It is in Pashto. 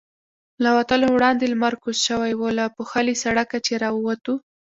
له وتلو وړاندې لمر کوز شوی و، له پوښلي سړکه چې را ووتو.